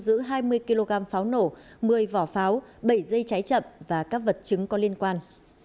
thu giữ hai mươi kg pháo nổ một mươi vỏ pháo bảy dây cháy chậm và các vật chứng có liên quan